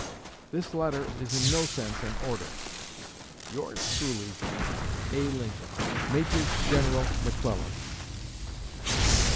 This letter is in no sense an order. Yours truly, A. LINCOLN. MAJOR GENERAL MCCLELLAN.